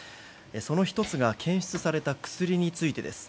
その１つが検出された薬についてです。